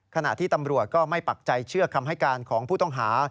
ขณะที่ตำรวจก็ไม่ปักใจเชื่อคำให้การของผู้ต้องหา